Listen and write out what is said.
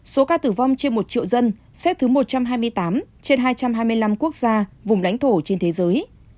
số ca tử vong trên một triệu dân xếp thứ một trăm hai mươi tám trên hai trăm hai mươi năm quốc gia vùng lãnh thổ trên thế giới